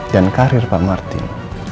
dan karir pak martin